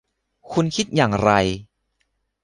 คุณคิดอย่างไร ?